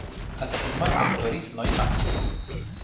Ați afirmat că nu doriți noi taxe.